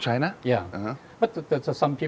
เราเปิดรสเตอร์รังตั้งแต่๒๐๑๐